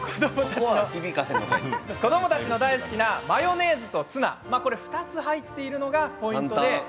子どもたちの大好きなマヨネーズとツナ２つ入っているのがポイントです。